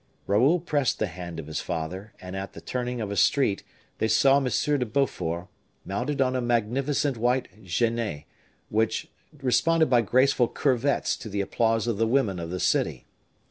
Raoul pressed the hand of his father, and, at the turning of a street, they saw M. de Beaufort, mounted on a magnificent white genet, which responded by graceful curvets to the applause of the women of the city.